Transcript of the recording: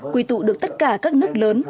quy tụ được tất cả các nước lớn